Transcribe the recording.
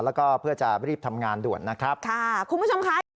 แล้วก็เพื่อจะรีบทำงานด่วนนะครับค่ะคุณผู้ชมคะเดี๋ยว